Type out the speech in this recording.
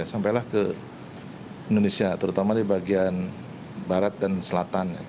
sampailah ke indonesia terutama di bagian barat dan selatan